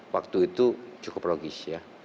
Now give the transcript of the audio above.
waktu itu cukup logis ya